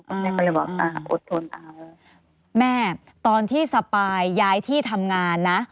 แม่ก็เลยบอกอ่าอดทนเอาแม่ตอนที่สปายย้ายที่ทำงานนะ